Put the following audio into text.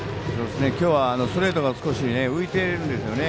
今日は、ストレートが少し浮いているんですよね。